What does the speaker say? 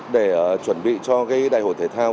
để chuẩn bị cho đại hội thể thao